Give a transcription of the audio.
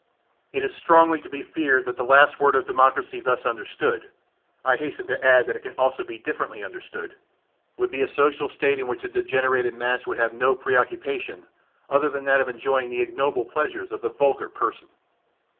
It is strongly to be feared that the last word of democracy thus understood (I hasten to add that it can also be differently understood) would be a social state in which a degenerated mass would have no preoccupation other than that of enjoying the ignoble pleasures of the vulgar person."